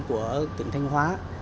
của tỉnh thanh hóa